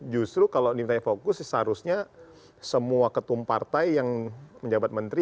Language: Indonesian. justru kalau diminta fokus seharusnya semua ketum partai yang menjabat menteri